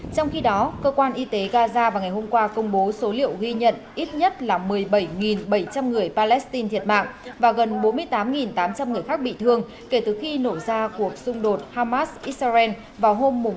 trong khi đó cơ quan y tế gaza vào ngày hôm qua công bố số liệu ghi nhận ít nhất là một mươi bảy bảy trăm linh người palestine thiệt mạng và gần bốn mươi tám tám trăm linh người khác bị thương kể từ khi nổ ra cuộc xung đột hamas israel vào hôm một